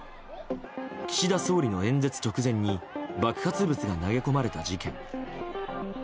岸田総理の演説直前に爆発物が投げ込まれた事件。